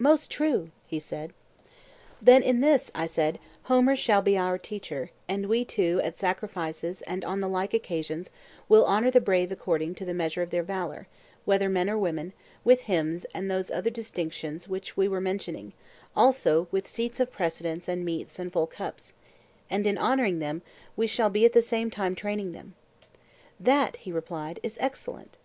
Most true, he said. Then in this, I said, Homer shall be our teacher; and we too, at sacrifices and on the like occasions, will honour the brave according to the measure of their valour, whether men or women, with hymns and those other distinctions which we were mentioning; also with 'seats of precedence, and meats and full cups;' and in honouring them, we shall be at the same time training them. That, he replied, is excellent.